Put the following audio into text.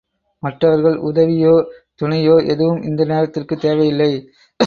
மற்றவர்கள் உதவியோ, துணையோ எதுவும் இந்த நேரத்திற்குத் தேவையில்லை.